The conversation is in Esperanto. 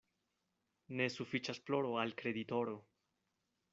Ne sufiĉas ploro al kreditoro.